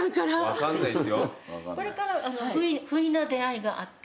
これからふいな出会いがあって。